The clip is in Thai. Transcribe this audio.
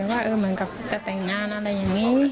ว่าเหมือนกับจะแต่งงานอะไรอย่างนี้